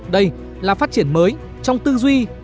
đây là phát triển mới trong tư duy về dân là gốc